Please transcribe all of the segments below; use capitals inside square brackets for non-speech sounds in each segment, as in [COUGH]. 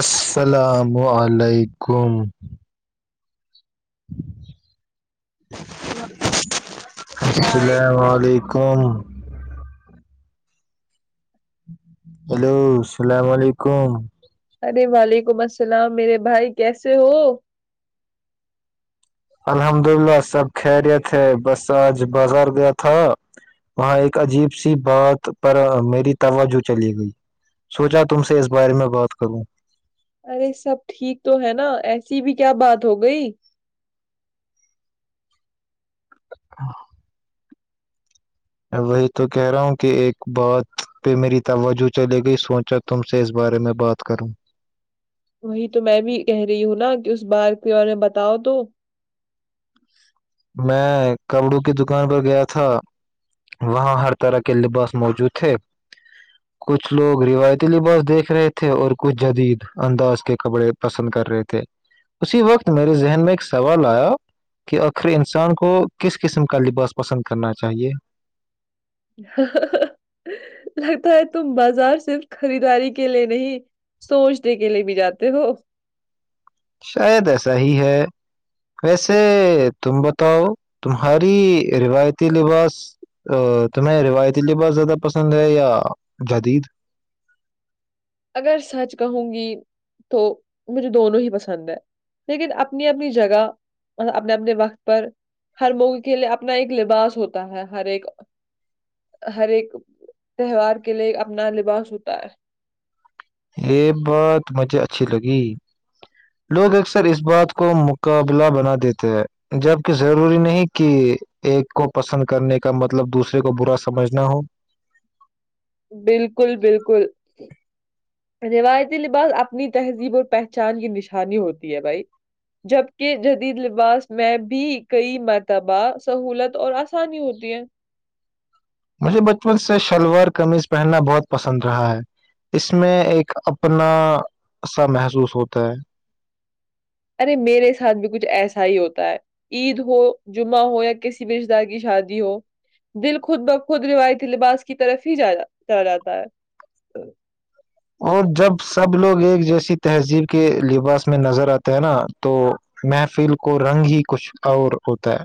اسلام علیکم واہ بھائی اسلام علیکم ہیلو اسلام علیکم ارے وعلیکم اسلام میرے بھائی کیسے ہو الحمد للہ سب خیریت ہے بس آج بزار گیا تھا وہاں ایک عجیب سی بات پر میری توجہ چلی گئی سوچا تم سے اس بارے میں بات کروں ارے سب ٹھیک تو ہے نا ایسی بھی کیا بات ہو گئی ہاں وہی تو کہہ رہا ہوں کہ ایک بات پہ میری توجہ چلے گئی سوچک تم سے اس بارے میں بات کروں وہی تو میں بھی کہہ رہی ہوں نا کہ اس بار کے بارے میں بتاؤ تو میں کپڑوں کی دکان پر گیا تھا وہاں ہر طرح کے لباس موجود تھے کچھ لوگ رویتی لباس دیکھ رہے تھے اور کچھ جدید انداز کے کپڑے پسند کر رہے تھے اسی وقت میرے ذہن میں ایک سوال آیا کہ اب پھر انسان کو کس قسم کا لباس پسند کرنا چاہیے لگتا ہے تم بازار صرف خریداری کے لیے نہیں سوچنے کے لیے بھی جاتے ہو شاید ایسا ہی ہے ویسے تم بتاؤ تمہاری روایتی لباس تمہیں روایتی لباس زیادہ پسند ہے یا جدید اگر سچ کہوں گی تو مجھے دونوں ہی پسند ہے لیکن اپنی اپنی جگہ اپنے اپنے وقت پر ہر موغ کے لیے اپنا ایک لباس ہوتا ہے ہر ایک ہر ایک تہوار کے لیے اپنا لباس ہوتا ہے یہ بات مجھے اچھی لگی لوگ اکثر اس بات کو مقابلہ بنا دیتے ہیں جبکے ضروری نہیں کہ ایک کو پسند کرنے کا مطلب دوسرے کو برا سمجھنا ہو بالکل بالکل روایتی لباس اپنی تہذیب اور پہچان کی نشانی ہوتی ہے بھائی جبکے جدید لباس میں بھی کئی مرتبہ سہولت اور آسانی ہوتی ہے مجھے بچپن سے شلوار کمیض پہننا بہت پسند رہا ہے اس میں ایک اپنا سا محسوس ہوتا ہے ارے میرے ساتھ بھی کچھ ایسا ہی ہوتا ہے عید ہو جمعہ ہو یا کسی بھی رشتے دار کی شادی ہو دل خود بخود روایتی لباس کی طرف ہی جا ج جاتا ہے اور جب سب لوگ ایک جیسی تہذیب کے لباس میں نظر آتے ہیں نا تو محفل کو رنگ ہی کچھ اور ہوتا ہے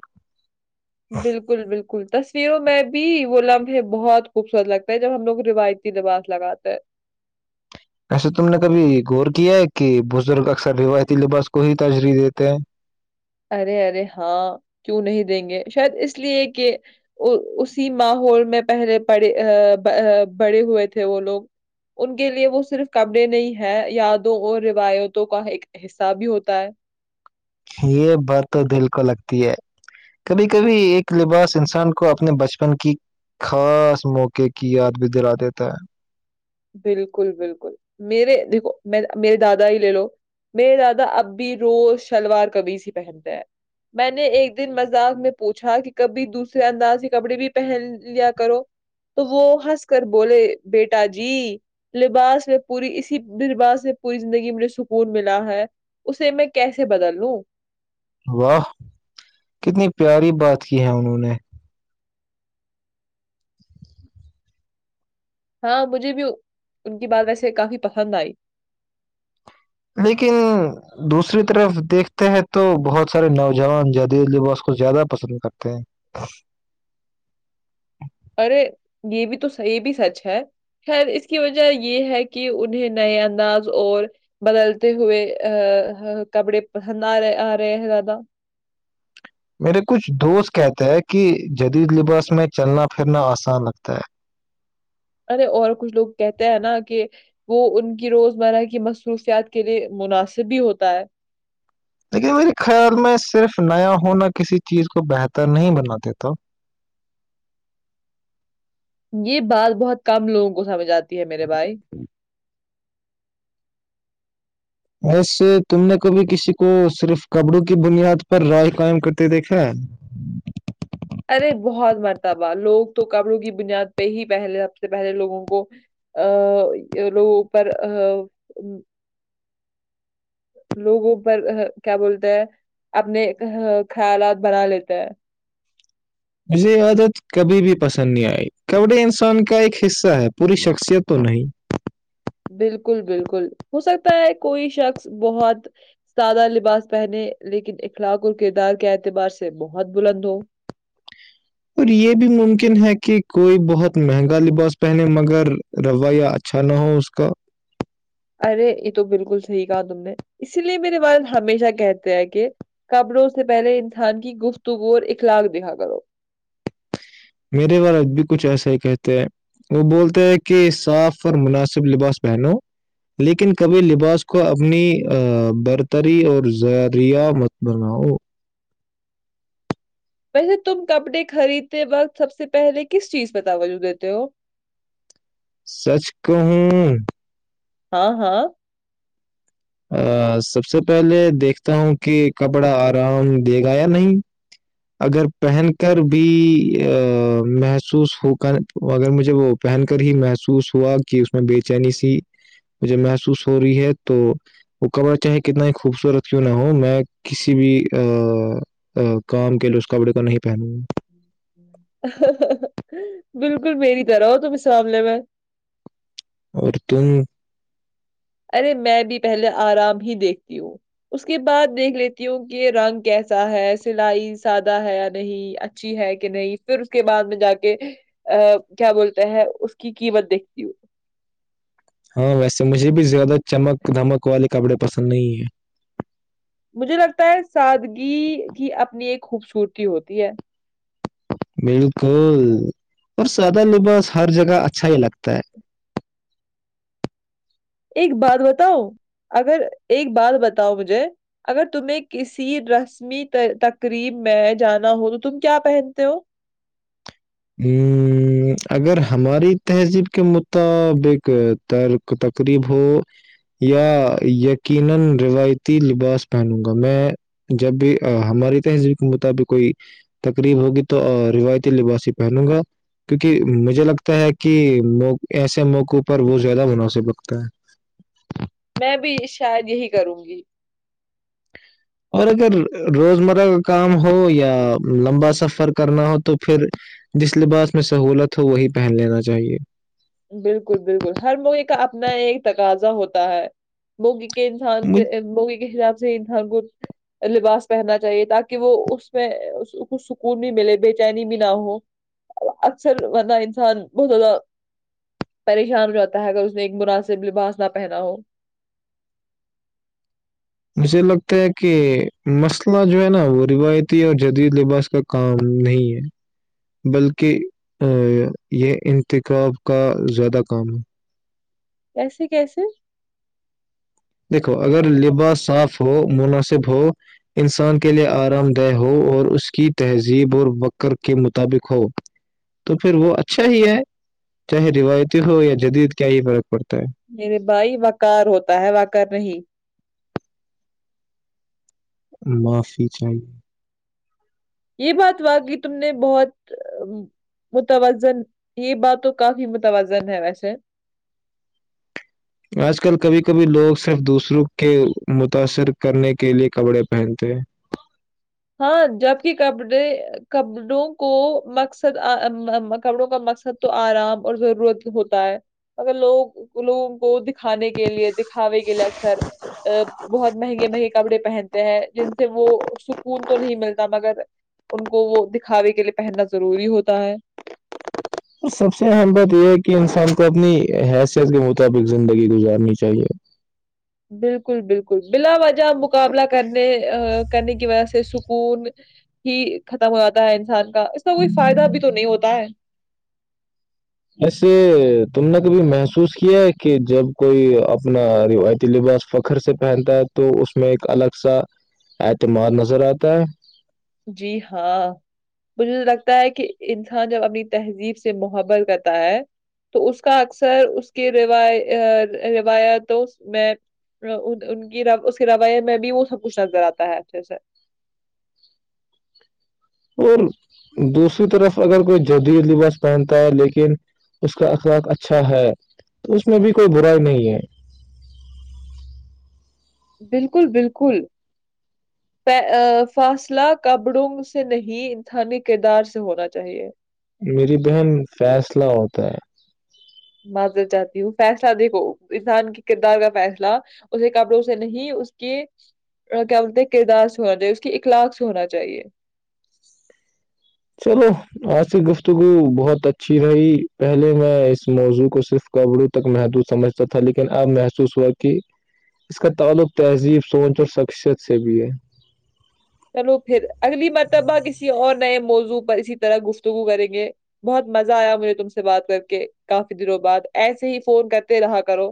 بالکل بالکل کوئی تصویروں میں بھی وہ لمحے بہت خوبصورت لگتا ہے جب ہم لوگ روایتی لباس لگاتے ہے ایسے تم نے کبھی غور کیا ہے کہ بزرگ اکثر روایتی لباس کو ہی تجریح دیتے ہیں ارے ارے ہاں کیوں نہیں دیں گے شاید اس لیے کہ اسی ماحول میں پہلے پڑے آ بڑ بڑے ہوئے تھے وہ لوگ ان کے لیے وہ صرف کپڑے نہیں ہے یادوں اور روایتوں کا ایک حصہ بھی ہوتا ہے یہ بات تو دل کو لگتی ہے کبھی کبھی ایک لباس انسان کو اپنے بچپن کی خاص موقع کی یاد بھی دلا دیتا ہے بالکل بالکل میرے دیکھو میں میرے دادا ہی لے لو میرے دادا اب بھی روز شلوار کمیض ہی پہنتے ہیں میں نے ایک دن مزاق میں پوچھا کہ کبھی دوسرے انداز کے کپڑے بھی پہن لیا کرو تو وہ ہنس کر بولے بیٹا جی لباس میں پوری اسی لباس میں پوری زندگی مجھے سکون ملا ہے اسے میں کیسے بدل لوں واہ کتنی پیاری بات کی ہے انہوں نے ہاں مجھے بھی ان کی بات ویسے کافی پسند آئی لیکن دوسری طرف دیکھتے ہیں تو بہت سارے نوجوان جدید لباس کو زیادہ پسند کرتے ہیں ارے یہ بھی تو صحیح یہ بھی سچ ہے خیر اس کی وجہ یہ ہے کہ انہیں نئے انداز اور بدلتے ہوئے کپڑے پسند آ رہے آ رہے ہیں زیادہ میرے کچھ دوست کہتے ہیں کہ جدید لباس میں چلنا پھرنا آسان لگتا ہے ارے اور کچھ لوگ کہتے ہیں نا کہ وہ ان کی روزمرہ کی مصروفیات کے لیے مناسب بھی ہوتا ہے لیکن میرے خیال میں صرف نیا ہونا کسی چیز کو بہتر نہیں بنا دیتا یہ بات بہت کم لوگوں کو سمجھ آتی ہے میرے بھائی ایسے تم نے کبھی کسی کو صرف کپڑوں کی بنیاد پر رائے قائم کرتے دیکھا ہے ارے بہت مرتبہ لوگ تو کپڑوں کی بنیاد پہ ہی پہلے سب سے پہلے لوگوں کو یہ لوگوں پر آ عم لوگوں پر کیا بولتے ہیں اپنے خیالات بنا لیتے ہیں مجھے یہ عادت کبھی بھی پسند نہیں آئی کپڑے انسان کا ایک حصہ ہے پوری شخصیت تو نہیں بالکل بالکل ہو سکتا ہے کوئی شخص بہت سادہ لباس پہنے لیکن اخلاق اور کردار کے اعتبار سے بہت بلند ہو اور یہ بھی ممکن ہے کہ کوئی بہت مہنگا لباس پہنے مگر [UNINTELLIGIBLE] رویہ اچھا نہ ہو اس کا ارے یہ تو بالکل صحیح کہا تم نے اسی لیے میرے والد ہمیشہ کہتے ہیں کہ کپڑوں سے پہلے انسان کی گفتگو اور اخلاق دیکھا کرو میرے والد بھی کچھ ایسا ہی کہتے ہیں وہ بولتے ہیں کہ صاف اور مناسب لباس پہنوں لیکن کبھی لباس کو اپنی برتری اور ذریعہ مت بناؤ ویسے تم کپڑے خریدتے وقت سب سے پہلے کس چیز پہ توجہ دیتے ہو سچ کہوں ہاں ہاں آ سب سے پہلے دیکھتا ہوں کہ کپڑا آرام دے گا یا نہیں اگر پہن کر بھی محسوس ہو کر اگر مجھے وہ پہن کر ہی محسوس ہوا کہ اس میں بے چینی سی مجھے محسوس ہو رہی ہے تو وہ کپڑا چاہے کتنا ہی خوبصورت کیوں نہ ہو میں کسی بھی کام کے لے اس کپڑے کو نہیں پہنوں گا بالکل میری طرح ہو تم اس معاملہ میں اور تم ارے میں بھی پہلے آرام ہی دیکھتی ہوں اس کے بعد دیکھ لیتی ہوں کہ رنگ کیسا ہے سلائی سادہ ہے یا نہیں اچھا اچھی ہے کہ نہیں پھر اس کے بعد میں جا کے کیا بولتا ہے اس کی قیمت دیکھتی ہو ہاں ویسے مجھے بھی زیادہ چمک دھمک والے کپڑے پسند نہیں ہے مجھے لگتا ہے سادگی کی اپنی ایک خوبصورتی ہوتی ہے بالکل اور سادہ لباس ہر جگہ اچھا ہی لگتا ہے ایک بات بتاؤ اگر ایک بات بتاؤ مجھے اگر تمہیں کسی رنگ می تقریب میں جانا ہوں تو تم کیا پہنتے ہو امم اگر ہماری تہذیب کے مطابق ترک تقریب ہو یا یقینا روایتی لباس پہنوں گا میں جب بھی ہماری تہذیب کے مطابق کوئی تقریب ہوگی تو روایتی لباس پہنو گا کیونکہ مجھے لگتا ہے کہ مو ایسے موقعوں پر وہ زیادہ مناسب بکتا ہے میں بھی شاید یہی کروں گی اور اگر روزمرہ کا کام ہو یا لمبا سفر کرنا ہو تو پھر جس لباس میں سہولت ہو وہی پہن لینا چاہیے بالکل بالکل ہر موقع کا اپنا ایک تقاضا ہوتا ہے موقع کے انسان سے مجھ- موقع کے حساب سے انسان کو لباس پہننا چاہیے تاکہ وہ اس میں کچھ سکون بھی ملے بے چینی بھی نہ ہو اکثر ورنہ انسان بہت زیادہ پریشان ہو جاتا ہے اگر اس نے ایک مناسب لباس نہ پہنا ہو مجھے لگتا ہے کہ مسئلہ جو ہے نا وہ روایتی اور جدید لباس کا کام نہیں ہے بلکہ یہ انتخاب کا زیادہ کام ہے کیسے کیسے دیکھو اگر لباس صاف ہو مناسب ہو انسان کے لئے آرام دہ ہو اور اس کی تہذیب اور بکر کے مطابق ہو تو پھر وہ اچھا ہی ہے چاہے روایتی ہو یا جدید کیا ہی فرق پڑتا ہے میرے بھائی واقار ہوتا ہے وااکار نہیں معافی چاہیے یہ بات ہوا کہ تم نے بہت متوازن یہ بات تو کافی متوازن ہے ویسے آج کل کبھی کبھی لوگ صرف دوسروں کے متاثر کرنے کے لے کپڑے پہنتے ہیں ہاں جبک کپڑے کپڑوں کو مقصد کپڑوں کا مقصد تو آرام اور ضرورت ہوتا ہے اگر لوگ لوگوں کو دکھانے کے لیے دکھاوے کے لیے اکثر ا بہت مہنگے مہنگے کپڑے پہنتے ہیں جن سے وہ سکھ خون تو نہیں ملتا مگر ان کو وہ دکھاوے کے لیے پہننا ضروری ہوتا ہے سب سے اہم بات یہ ہے کہ انسان کو اپنی حیثیت کے مطابق زندگی گزارنی چاہیے بالکل بالکل بلا وجہ مقابلہ کرنے کرنے کی وجہ سے سکون ہی ختم ہو جاتا ہے انسان کا اس کا کوئی فائدہ بھی تو نہیں ہوتا ہے ایسے تم نے کبھی محسوس کیا ہے کہ جب کوئی اپنا روایتی لباس فخر سے پہنتا ہے تو اس میں ایک الگ سا اعتماد نظر آتا ہے جی ہاں مجھے لگتا ہے کہ انسان جب اپنی تہذیب سے محبت کرتا ہے تو اس کا اکثر اس کے ر روایتوں میں ان کی اس کے رویے میں بھی وہ سب کچھ نظر آتا ہے اچھے سے اور دوسری طرف اگر کوئی جدید لباس پہنتا ہے لیکن اس کا اخلاق اچھا ہے تو اس میں بھی کوئی برائی نہیں ہے بالکل بالکل فاصلہ کبرونگ سے نہیں انسانی کردار سے ہونا چاہیے میری بہن فیصلہ ہوتا ہے مزارتھ چھاتی ہوں فیصلہ دیکھو انسان کے کردار کا فیصلہ اسے کپڑوں سے نہیں اس کے کیا بولتے ہیں کردار ہونا چاہیے اس کی اخلاق سے ہونا چاہیے چلو آج سے گفتگو بہت اچھی رہی پہلے میں اس موضوع کو صرف کپڑوں تک محدود سمجھتا تھا لیکن اب محسوس ہوا کہ اس کا تعلق تہذیب سوچ اور شخصیت سے بھی ہے چلو پھر اگلی مرتبہ کسی اور نئے موضوع پر اسی طرح گفتگو کریں گے بہت مزہ آیا مجھے تم سے بات کر کے کافی دنوں بعد ایسے ہی فون کرتے رہا کرو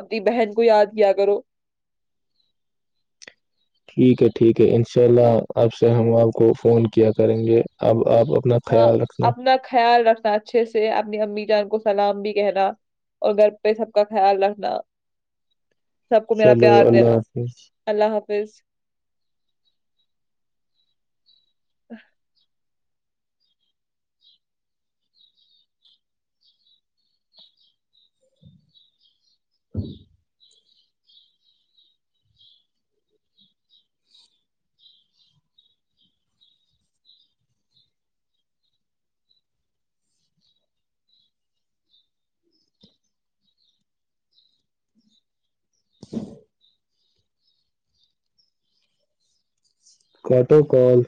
اپنی بہن کو یاد کیا کرو ٹھیک ہے ٹھیک ہے ان شاء اللہ اج سے ہم آپ کو فون کیا کریں گے اب آپ اپنا ہاں خیال رکھنا اپنا خیال رکھنا اچھے سے اپنی امی جان کو سلام بھی کہنا اور گھر پہ سب کا خیال رکھنا سب کو میرا چلو پیار اللہ دینا حافظ اللہ حافظ کاٹو کال